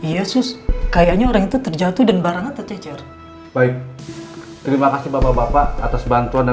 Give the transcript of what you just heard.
yesus kayaknya orang itu terjatuh dan barangnya tercecer baik terima kasih bapak bapak atas bantuan dan